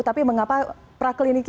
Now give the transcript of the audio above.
tapi mengapa praklinik